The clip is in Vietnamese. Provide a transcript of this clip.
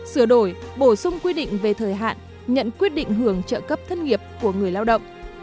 sửa đổi bổ sung quy định về thời hạn nhận quyết định hưởng trợ cấp thất nghiệp của người lao động